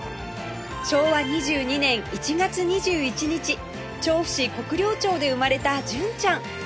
昭和２２年１月２１日調布市国領町で生まれた純ちゃん